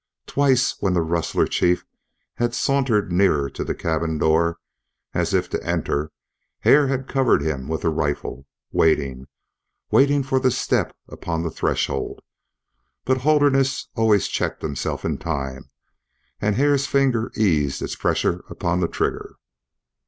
Twice, when the rustler chief had sauntered nearer to the cabin door, as if to enter, Hare had covered him with the rifle, waiting, waiting for the step upon the threshold. But Holderness always checked himself in time, and Hare's finger eased its pressure upon the trigger.